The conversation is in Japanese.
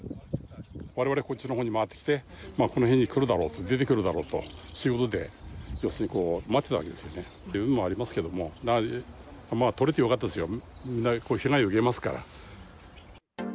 われわれ、こっちのほうに回ってきて、この辺に来るだろうと、出てくるだろうということで、運もありますけど、待ってたんですけどね、運もありますけども、とれてよかったですよ、被害を受けますから。